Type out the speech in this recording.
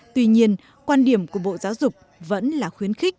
tuy nhiên quan điểm của bộ giáo dục vẫn là khuyến khích